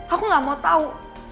aku enggak mau tahu